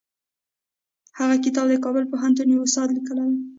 هغه کتاب د کابل پوهنتون یوه استاد لیکلی و.